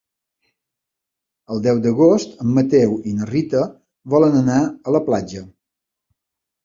El deu d'agost en Mateu i na Rita volen anar a la platja.